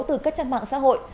từ các trang mạng xã hội